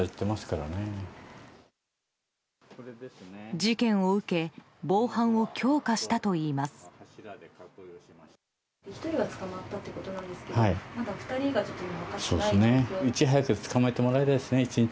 事件を受け防犯を強化したといいます。